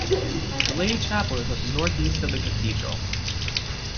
The Lady Chapel is at the northeast of the cathedral.